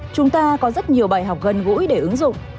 chúng ta có rất nhiều bài học gần gũi để ứng dụng